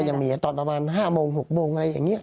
ยังมีตอนประมาณ๕โมง๖โมงอะไรอย่างนี้